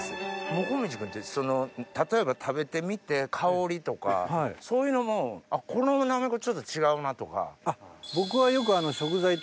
もこみち君って例えば食べてみて香りとかそういうのもあっこのなめこちょっと違うなとか？